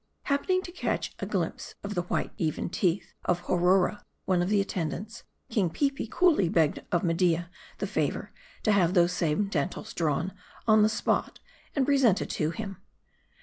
Happen ing to catch a glimpse of the white even teeth of Hohora one of our attendants, King Peepi coolly begged of Media the favor, to have those same dentals drawn on the spot, and presented to him.